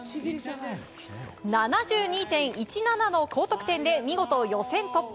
７２．１７の高得点で見事、予選突破。